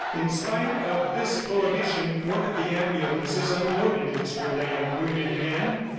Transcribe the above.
In spite of this prohibition, one of the ambulances unloaded its relay of wounded men.